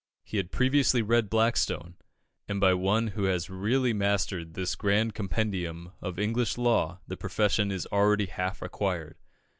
He had previously read Blackstone, and by one who has really mastered this grand compendium of English law the profession is already half acquired.